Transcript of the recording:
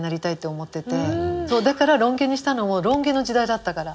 だからロン毛にしたのもロン毛の時代だったから。